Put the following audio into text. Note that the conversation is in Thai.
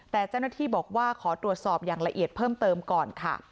แต่เจ้าหน้าที่บอกว่าขอตรวจสอบอย่างละเอียดเพิ่มเติมก่อนค่ะ